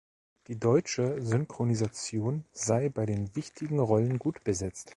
Die deutsche Synchronisation sei bei den wichtigen Rollen gut besetzt.